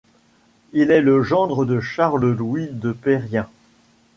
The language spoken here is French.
Il est le gendre de Charles Louis de Perrien.